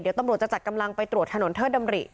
เดี๋ยวตำรวจจะจัดกำลังไปตรวจถนนเทิดดำริ